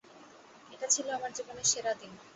এটা ছিল আমার জীবনের সেরা দিন।